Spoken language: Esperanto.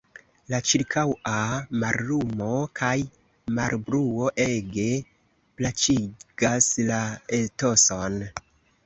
La ĉirkaŭa mallumo kaj malbruo ege plaĉigas la etoson.